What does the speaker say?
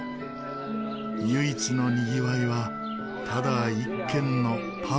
唯一のにぎわいはただ一軒のパブです。